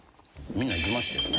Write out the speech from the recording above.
みんないきましたよね。